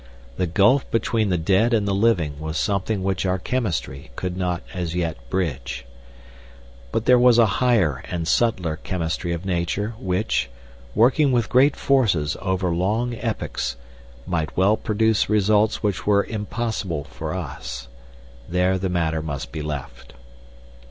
The gulf between the dead and the living was something which our chemistry could not as yet bridge. But there was a higher and subtler chemistry of Nature, which, working with great forces over long epochs, might well produce results which were impossible for us. There the matter must be left.